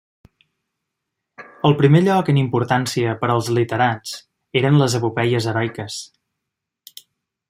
El primer lloc en importància per als literats eren les epopeies heroiques.